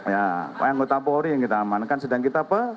ya pak anggota polri yang kita amankan sedang kita